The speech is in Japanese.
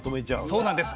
そうなんです。